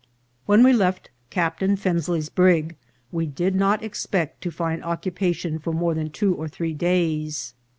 When we left Captain Fensley's brig we did not expect to find occupation for more than two or three days.